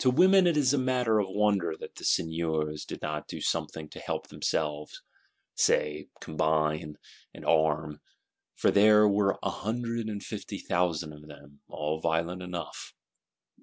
To some it is a matter of wonder that the Seigneurs did not do something to help themselves; say, combine, and arm: for there were a "hundred and fifty thousand of them," all violent enough.